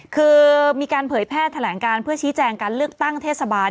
คือมีการเผยแพร่แถลงการเพื่อชี้แจงการเลือกตั้งเทศบาล